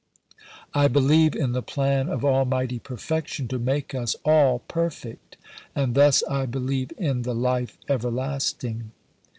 I believe in the plan of Almighty Perfection to make us all perfect. And thus I believe in the Life Everlasting."